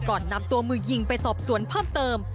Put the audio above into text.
ก่อนนำตัวมือยิงไปสอบสวนเพิ่มเติม